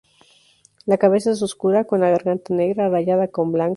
La cabeza es oscura, con la garganta negra rayada con blanco.